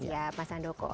ya mas sandoko